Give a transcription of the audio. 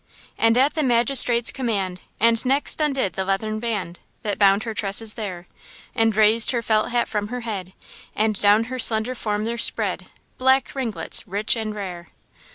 "And at the magistrate's command, And next undid the leathern band That bound her tresses there, And raised her felt hat from her head, And down her slender form there spread Black ringlets rich and rare."